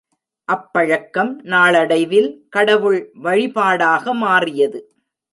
அப்பழக்கம் நாளடைவில் கடவுள் வழி பாடாக மாறியது.